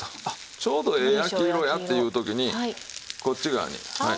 ちょうどええ焼き色やっていう時にこっち側にはい。